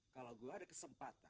kalau gue ada kesempatan